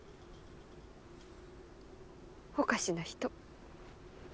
おかしな人。